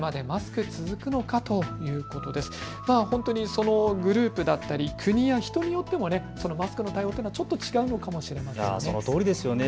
そのグループだったり国や人によってもマスクの対応、ちょっと違うかもしれませんね。